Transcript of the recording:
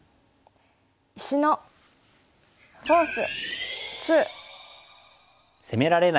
「石のフォース２」。